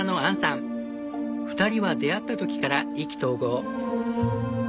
２人は出会った時から意気投合。